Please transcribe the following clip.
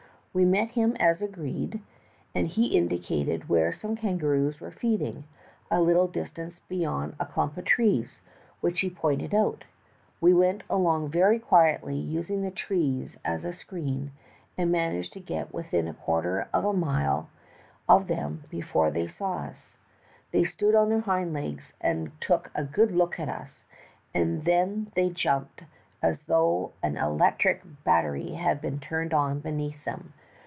"We met him as agreed, and he indicated where some kangaroos were feeding, a little distance beyond a clump of trees which he pointed out. We went along very quietly, using the trees as a screen, and managed to get within a quarter of a mile of them before they saw u.*^. They stood on their hind legs and took a good look at us, and then they jumped as though an electric bat tery had been turned on beneath them.